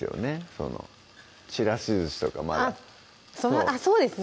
そのちらしずしとかまだあっそうですね